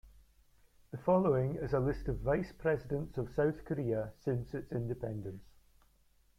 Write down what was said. The following is a list of Vice Presidents of South Korea since its independence.